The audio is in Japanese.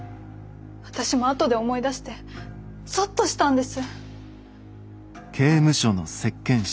私も後で思い出してゾッとしたんです。